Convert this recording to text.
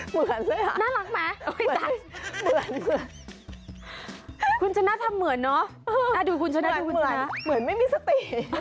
เหมือนเลยหรอเหมือนคุณจะน่าทำเหมือนเนอะดูคุณจะน่าดูคุณจะน่าเหมือนเหมือนไม่มีสติ